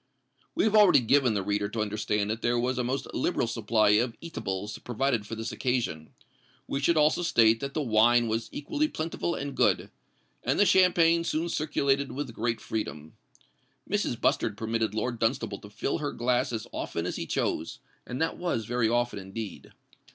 We have already given the reader to understand that there was a most liberal supply of eatables provided for this occasion: we should also state that the wine was equally plentiful and good; and the champagne soon circulated with great freedom. Mrs. Bustard permitted Lord Dunstable to fill her glass as often as he chose; and that was very often indeed.